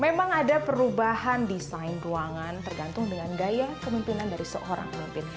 memang ada perubahan desain ruangan tergantung dengan gaya kemimpinan dari seorang pemimpin